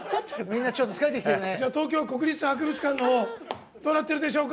東京国立博物館どうなってるでしょうか。